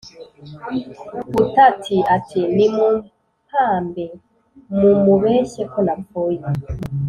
Butati ati: “Nimumpambe, mumubeshye ko napfuye